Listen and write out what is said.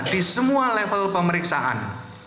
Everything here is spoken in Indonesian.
di semua level pemeriksaan